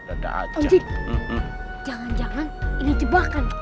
oh jin jangan jangan ini jebakan